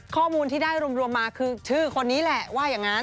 ข้อมูลที่ได้รวมมาคือชื่อคนนี้แหละว่าอย่างนั้น